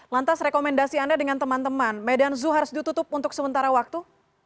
lantas rekomendasi anda dengan teman teman medan zoo harus ditutup untuk sementara waktu